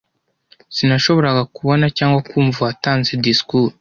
Sinashoboraga kubona cyangwa kumva uwatanze disikuru.